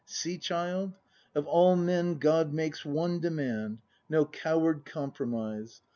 See, child; of all men God makes one Demand: No coward compromise!